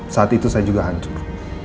saat itu saya juga hancur